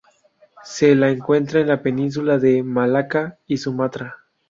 Se la encuentra en la península de Malaca y Sumatra.